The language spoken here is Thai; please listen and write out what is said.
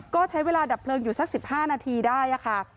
ก็ใช้เวลาดับเพลิงอยู่สัก๑๕นาทีได้ค่ะ